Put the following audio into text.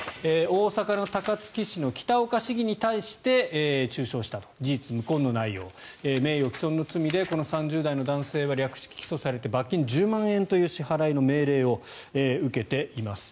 大阪の高槻市の北岡市議に対して中傷した事実無根の内容名誉毀損の罪でこの３０代の男性は略式起訴されて罰金１０万円という支払いの命令を受けています。